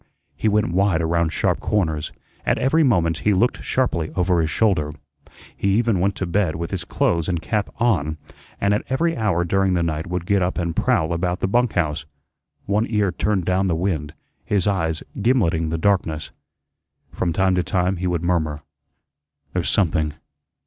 He went wide around sharp corners. At every moment he looked sharply over his shoulder. He even went to bed with his clothes and cap on, and at every hour during the night would get up and prowl about the bunk house, one ear turned down the wind, his eyes gimleting the darkness. From time to time he would murmur: "There's something.